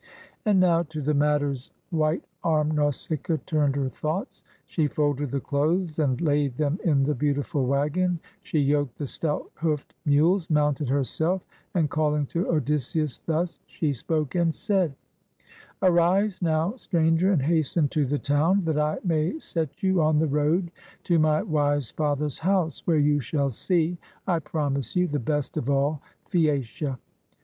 And now to other matters white armed Nausicaa turned her thoughts. She folded the clothes and laid them in the beautiful wagon, she yoked the stout hoofed mules, mounted herself, and calUng to Odysseus thus she spoke and said :— "Arise now, stranger, and hasten to the town, that I may set you on the road to my wise father's house, where you shall see, I promise you, the best of all Phaeacia.